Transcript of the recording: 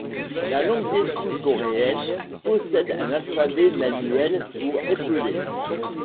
La langue des signes coréenne possède un alphabet manuel pour épeler.